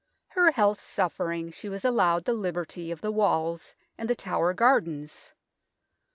Her health suffering, she was allowed the liberty of the walls and The Tower gardens.